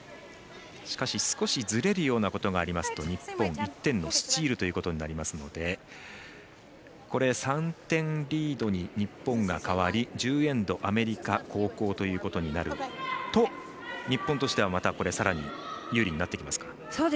しかし、少しずれるようなことがありますと日本、１点のストーンということになりますので３点リードに日本が変わり１０エンド、アメリカ後攻ということになると日本としてはまたさらに有利になってきますか。